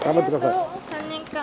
ありがとう３年間。